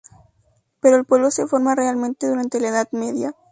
Pero el pueblo se forma realmente durante la Edad Media.